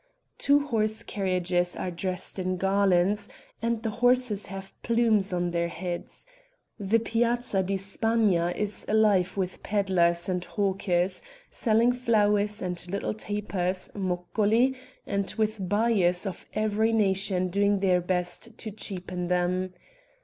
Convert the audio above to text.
Two horse carriages are dressed in garlands and the horses have plumes on their heads. The Piazza di Spagna is alive with pedlars and hawkers, selling flowers and little tapers (moccoli), and with buyers of every nation doing their best to cheapen them.